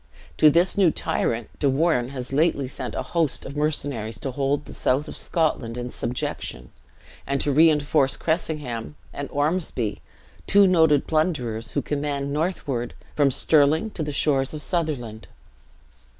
To this new tyrant, De Warenne has lately sent a host of mercenaries, to hold the south of Scotland in subjection; and to reinforce Cressingham and Ormsby, two noted plunderers, who command northward, from Stirling to the shores of Sutherland.